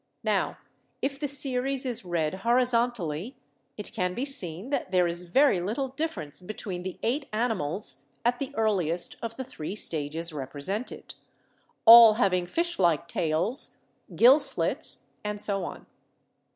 Now if the series is read horizon tally, it can be seen that there is very little difference between the eight animals at the earliest of the three stages represented — all having fish like tails, gill slits, and so on.